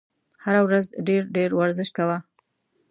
هره ورځ ډېر ډېر ورزش کوه !